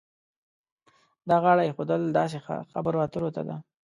دا غاړه ایښودل داسې خبرو اترو ته ده.